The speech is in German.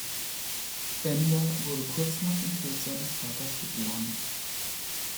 Bender wurde kurz nach dem Tod seines Vaters geboren.